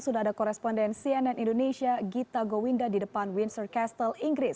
sudah ada koresponden cnn indonesia gita gowinda di depan windsor castle inggris